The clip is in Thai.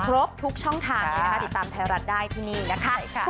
ครบทุกช่องทางเลยนะคะติดตามไทยรัฐได้ที่นี่นะคะ